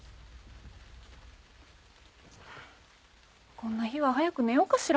こんな日は早く寝ようかしら。